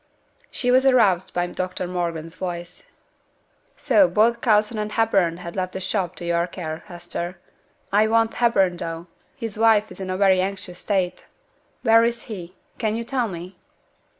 She was aroused by Dr Morgan's voice. 'So both Coulson and Hepburn have left the shop to your care, Hester. I want Hepburn, though; his wife is in a very anxious state. Where is he? can you tell me?'